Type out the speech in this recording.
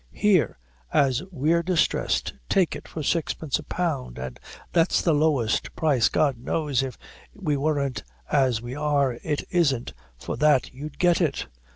"Here, as we're distressed, take it for sixpence a pound, and that's the lowest price God knows, if we wern't as we are, it isn't for that you'd get it."